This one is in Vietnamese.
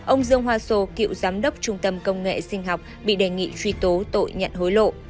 ông dương hoa sô cựu giám đốc trung tâm công nghệ sinh học bị đề nghị truy tố tội nhận hối lộ